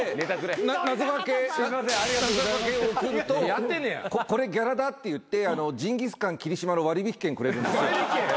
で謎掛けを送ると「これギャラだ」って言ってジンギスカン霧島の割引券くれるんですよ。